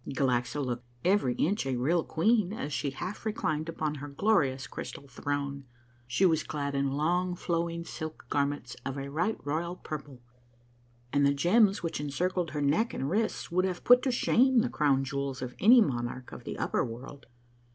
Galaxa looked every inch a real queen as she half reclined upon her glorious crystal throne. She was clad in long, flowing silk garments of a right royal purple, and the gems which encircled her neck and wrists would have put to shame the crown jewels of any monarch of the upper world.